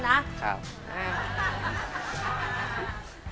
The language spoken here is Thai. ใช่